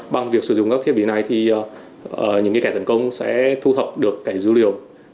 bằng việc sử dụng các thiết bị này thì những kẻ tấn công sẽ thu thập được cái dữ liệu